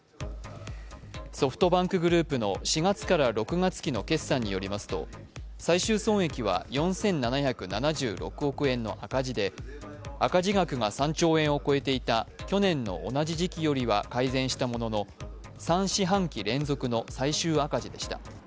ソフトバンクグループの４月から６月期の決算によりますと、最終損益は４７７６億円の赤字で、赤字額が３兆円を超えていた去年の同じ時期よりは改善したものの３四半期連続の最終赤字でした。